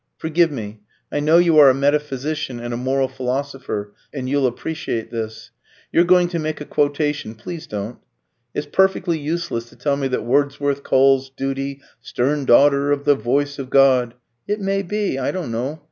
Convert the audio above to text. Forgive me; I know you are a metaphysician and a moral philosopher, and you'll appreciate this. You're going to make a quotation; please don't. It's perfectly useless to tell me that Wordsworth calls duty 'stern daughter of the voice of God.' It may be; I don't know.